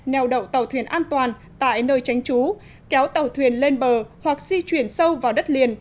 neo đậu tàu thuyền an toàn tại nơi tránh trú kéo tàu thuyền lên bờ hoặc di chuyển sâu vào đất liền